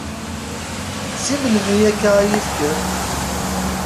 Si melmi akka, ay ifker?